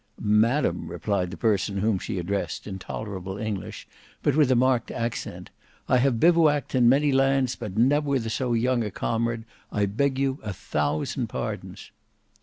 "Madam," replied the person whom she addressed, in tolerable English, but with a marked accent, "I have bivouacked in many lands, but never with so young a comrade: I beg you a thousand pardons."